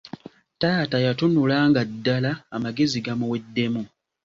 Taata yatunula nga ddala amagezi gamuweddemu.